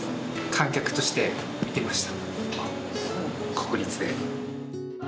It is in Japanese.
国立で。